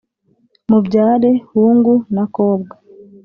mubyare hungu na kobwa